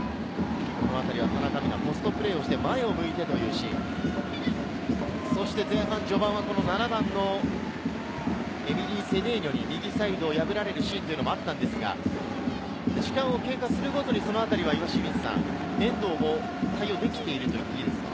田中美南、ポストプレーをして前を向いてというところ、前半序盤は７番のエミリー・セデーニョに右サイドを破られるシーンもあったんですが、時間経過するごとに岩清水さん、遠藤も対応できていると言っていいですか？